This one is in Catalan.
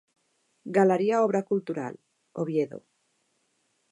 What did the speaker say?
Galeria Obra Cultural, Oviedo.